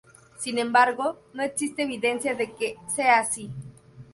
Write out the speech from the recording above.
Sin embargo, no existe evidencia de que sea así.